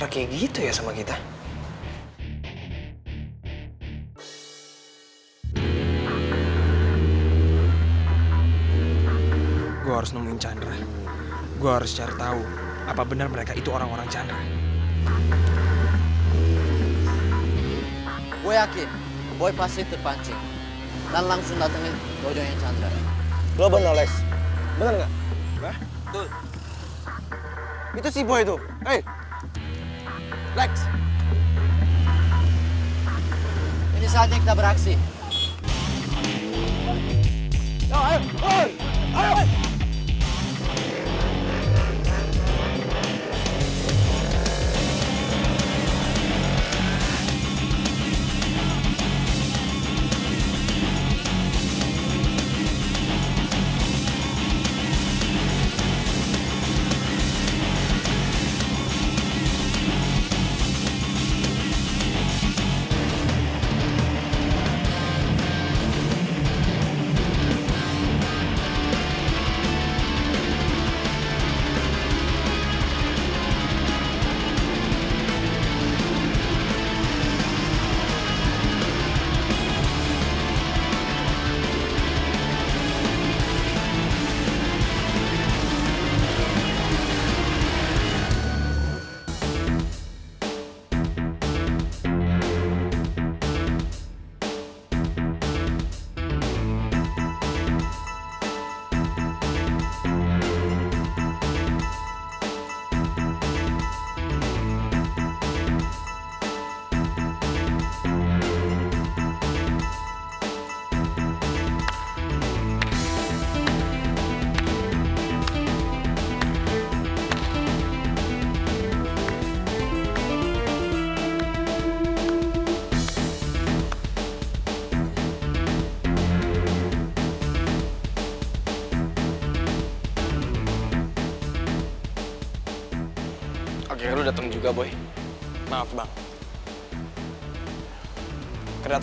kenapa chandra kayak gitu ya sama kita